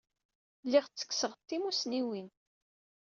Lliɣ ttekkseɣ-d timussniwin.